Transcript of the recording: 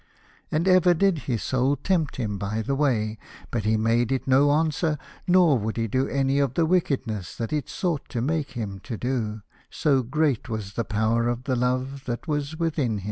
And ever did his Soul tempt him by the way, but he made it no answer, nor would he do any of the wickedness that it sought to make him to do, so great was the power of the love that was within him.